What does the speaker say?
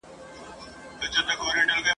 ارغوان، چي زما محبوب ګل دی، تازه غوټۍ سپړلي وې !.